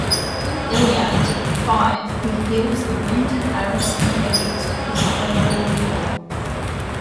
In "Iliad" V he heals the wounded Ares and Hades with his herbal lore.